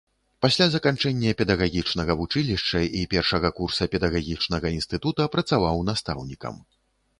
Пасля заканчэння педагагічнага вучылішча і першага курса педагагічнага інстытута працаваў настаўнікам.